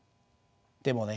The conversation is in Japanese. でもね